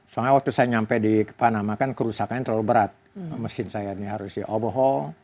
soalnya waktu saya sampai di panama kan kerusakan terlalu berat mesin saya ini harus diobat